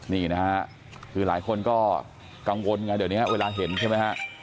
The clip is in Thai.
นี่นะฮะคือหลายคนก็กังวลไงเดี๋ยวนี้เวลาเห็นใช่ไหมฮะ